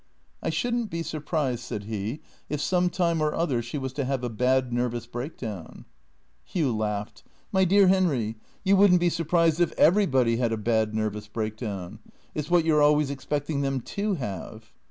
" I should n't be surprised," said he, " if some time or other she was to have a bad nervous break down." Hugh laughed. " My dear Henry, you would n't be surprised if everybody had a bad nervous break down. It 's what you 're always expecting them to have."